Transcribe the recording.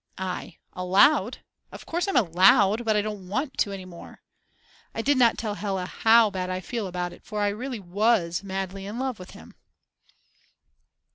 I: Allowed? Of course I'm allowed, but I don't want to any more. I did not tell Hella how bad I feel about it; for I really was madly in love with him.